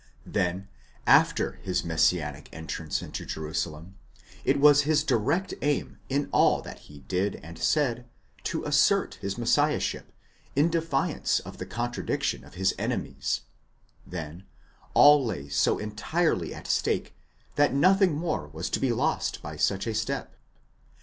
Then, after his messianic entrance into Jerusalem, it was his direct aim in all that he did and said, to assert his messiahship, in defiance of the contradiction of his enemies ; then, all lay so entirely at stake, that nothing more was to be lost by such a step.